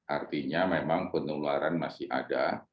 artinya memang penularan masih ada